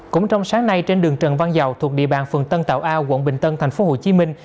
cũng trong sáng nay trên đường trần văn dầu thuộc địa bàn phường tân tạo a quận bình tân thành phố hồ chí minh